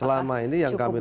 selama ini yang kami